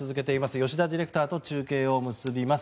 吉田ディレクターと中継を結びます。